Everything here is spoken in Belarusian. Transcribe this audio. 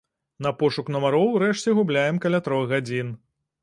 На пошук нумароў урэшце губляем каля трох гадзін.